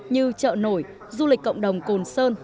như chợ nổi du lịch cộng đồng cồn sơn